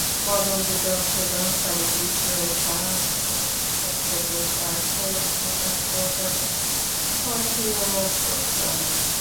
বদর যুদ্ধে অংশগ্রহণকারী জীবিত সাহাবীদের প্রত্যেকে চারশত দিনার প্রদানের অসীয়ত করেন।